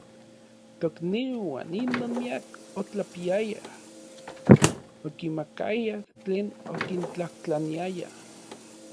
Tokniuan inon miak otlapiayaj, okimakayaj tlen okintlajtlaniaya.